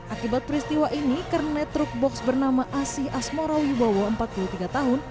akibat peristiwa ini karena truk box bernama asi asmora wibowo empat puluh tiga tahun